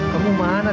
kamu gak ada